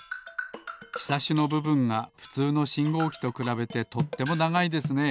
ひさしのぶぶんがふつうのしんごうきとくらべてとってもながいですね。